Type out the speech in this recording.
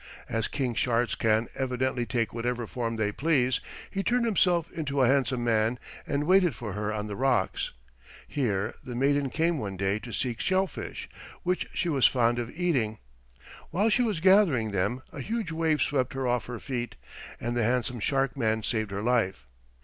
As king sharks can evidently take whatever form they please, he turned himself into a handsome man and waited for her on the rocks. Here the maiden came one day to seek shellfish, which she was fond of eating. While she was gathering them a huge wave swept her off her feet, and the handsome shark man saved her life.